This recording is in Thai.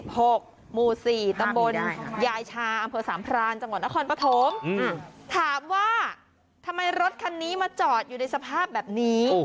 หกหมู่สี่ตำบลยายชาอำเภอสามพรานจังหวัดนครปฐมถามว่าทำไมรถคันนี้มาจอดอยู่ในสภาพแบบนี้